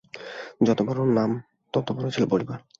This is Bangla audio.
যত বড় নাম ততো বড়ই ছিলো পরিবার।